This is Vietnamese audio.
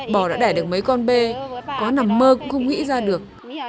bò đã đẻ được mấy con bê có nằm mơ cũng không nghĩ ra được